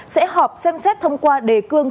sẽ họp xem xét thông qua đề cương